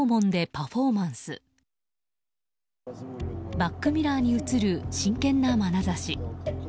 バックミラーに映る真剣なまなざし。